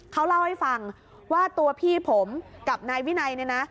เขาเล่าให้ฟังว่าตัวพี่ผมกับนายวินัยเนี่ยนะ